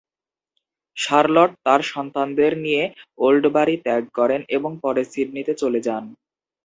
Charlotte তার সন্তানদের নিয়ে ওল্ডবারি ত্যাগ করেন এবং পরে সিডনিতে চলে যান।